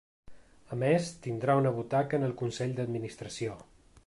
A més, tindrà una butaca en el consell d’administració.